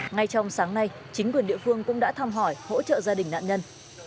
ngay trong sáng nay chính quyền địa phương cũng đã thăm hỏi hỗ trợ gia đình nạn nhân